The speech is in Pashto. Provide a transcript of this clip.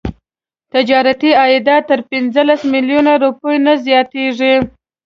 تجارتي عایدات تر پنځلس میلیونه روپیو نه زیاتیږي.